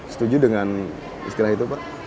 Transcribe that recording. setuju dengan istilah itu pak